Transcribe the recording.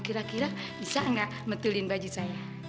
kira kira bisa nggak metilin baju saya